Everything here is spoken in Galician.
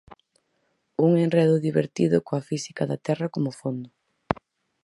Un enredo divertido coa física da Terra como fondo.